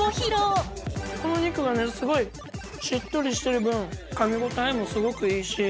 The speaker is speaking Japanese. このお肉がねすごいしっとりしてる分噛み応えもすごくいいし。